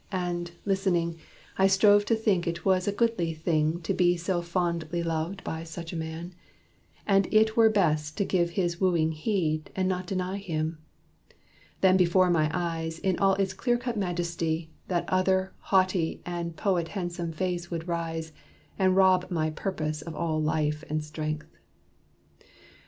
And, listening, I strove to think it was a goodly thing To be so fondly loved by such a man, And it were best to give his wooing heed, And not deny him. Then before my eyes In all its clear cut majesty, that other Haughty and poet handsome face would rise And rob my purpose of all life and strength.